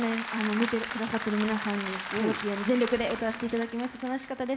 見てくださっている皆さんに全力で歌わせていただいて楽しかったです